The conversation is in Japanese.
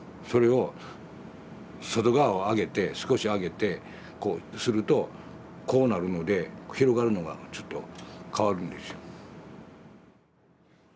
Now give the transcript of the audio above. それを外側を上げて少し上げてこうするとこうなるので広がるのがちょっと変わるんですよ。